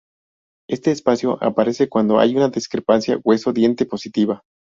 Este espacio aparece cuando hay una discrepancia hueso-diente positiva.